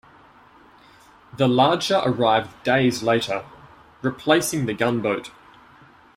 The larger arrived days later, replacing the gunboat.